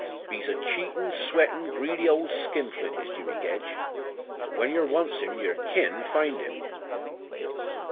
Be's a cheatin', sweatin', greedy old skinflint is Jimmy Gedge; but when yer wants 'im yer kin find 'im."